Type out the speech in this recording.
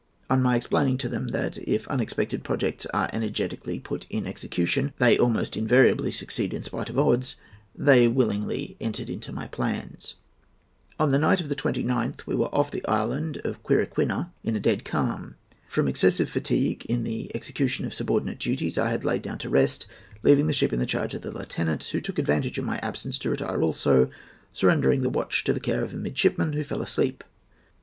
On my explaining to them that, if unexpected projects are energetically put in execution, they almost invariably succeed in spite of odds, they willingly entered into my plans. "On the night of the 29th, we were off the island of Quiriquina, in a dead calm. From excessive fatigue in the execution of subordinate duties, I had lain down to rest, leaving the ship in charge of the lieutenant, who took advantage of my absence to retire also, surrendering the watch to the care of a midshipman, who fell asleep.